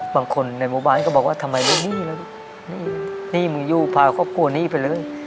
บางคนในหมู่บ้านก็บอกว่าทำไมได้หนี้แล้วลูกหนี้มึงอยู่พาครอบครัวนี้ไปเลย